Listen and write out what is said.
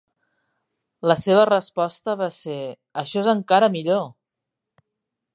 La seva resposta va ser, Això és encara millor!